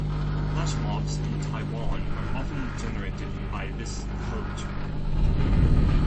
Flash mobs in Taiwan are often generated by this culture.